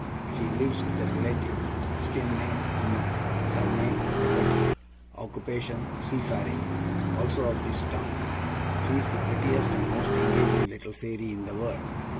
She lives with a relative; Christian name, unknown; surname, Peggotty; occupation, seafaring; also of this town. She is the prettiest and most engaging little fairy in the world.